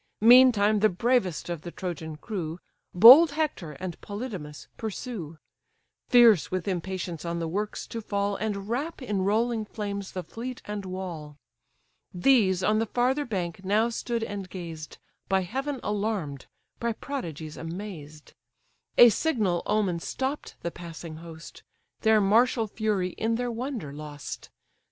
Meantime, the bravest of the Trojan crew, Bold Hector and Polydamas, pursue; Fierce with impatience on the works to fall, And wrap in rolling flames the fleet and wall. These on the farther bank now stood and gazed, By Heaven alarm'd, by prodigies amazed: A signal omen stopp'd the passing host, Their martial fury in their wonder lost.